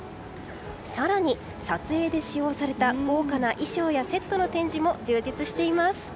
更に撮影で使用された豪華な衣装やセットの展示も充実しています。